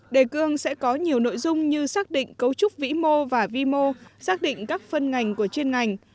đề cương sẽ có nhiều nội dung như xác định cấu trúc vĩ mô và vi mô xác định các phân ngành của chuyên ngành